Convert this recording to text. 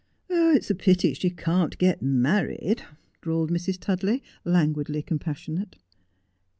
' It's a pity she can't get married,' drawled Mrs. Tudley, languidly compassionate.